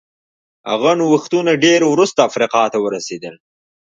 هغه نوښتونه ډېر وروسته افریقا ته ورسېدل.